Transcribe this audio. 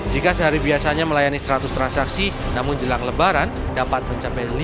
jika sehari biasanya melayani seratus transaksi namun jelang lebaran dapat mencapai lima ratus transaksi